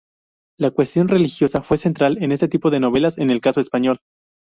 La cuestión religiosa fue central en este tipo de novelas en el caso español.